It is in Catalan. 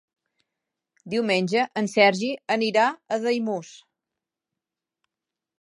Diumenge en Sergi anirà a Daimús.